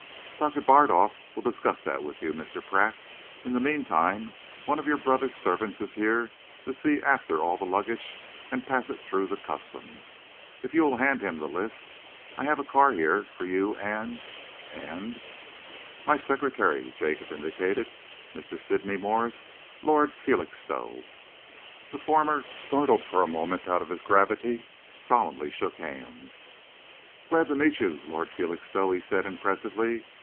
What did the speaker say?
"Doctor Bardolf will discuss that with you, Mr. Pratt. In the meantime, one of your brother's servants is here to see after all the luggage and pass it through the Customs, if you will hand him the list. I have a car here for you and and " "My secretary," Jacob indicated. "Mr. Sydney Morse Lord Felixstowe." The former, startled for a moment out of his gravity, solemnly shook hands. "Glad to meet you, Lord Felixstowe," he said impressively.